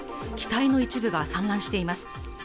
機体の一部が散乱しています